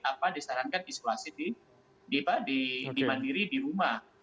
apa disarankan isolasi di mandiri di rumah